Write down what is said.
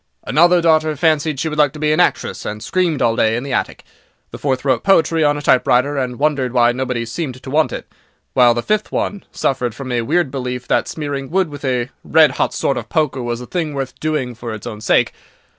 "Another daughter fancied she would like to be an actress, and screamed all day in the attic. The fourth wrote poetry on a typewriter, and wondered why nobody seemed to want it; while the fifth one suffered from a weird belief that smearing wood with a red hot sort of poker was a thing worth doing for its own sake.